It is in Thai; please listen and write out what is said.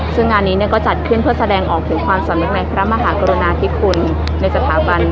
ซึ่งงานนี้ก็จัดเคลื่อนเพื่อแสดงออกถึงความสำนึกในพระมหากุฏินาทิศธุลภาพชาติว่านถสัตว์